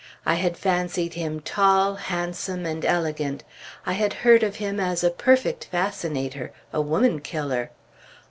I had fancied him tall, handsome, and elegant; I had heard of him as a perfect fascinator, a woman killer.